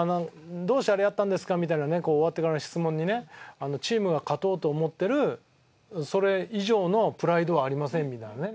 「どうしてあれやったんですか？」みたいなね終わってからの質問にね「チームが勝とうと思ってるそれ以上のプライドはありません」みたいなね